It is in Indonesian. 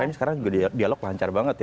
ini sekarang juga dialog lancar banget ya